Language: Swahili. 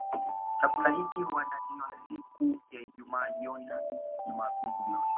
Chakula hiki huandaliwa siku ya Ijumaa jioni hadi Jumapili jioni